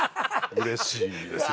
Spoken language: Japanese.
うれしいですよね